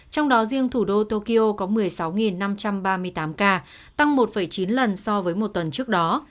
trong đó riêng thủ đô tokyo có một mươi sáu năm trăm ba mươi tám ca tăng một chín lần so với một tuần trước đó